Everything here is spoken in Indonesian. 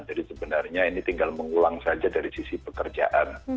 jadi sebenarnya ini tinggal mengulang saja dari sisi pekerjaan